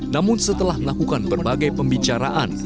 namun setelah melakukan berbagai pembicaraan